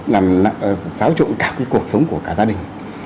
nằm xáo trộn cả cuộc sống của cả gia đình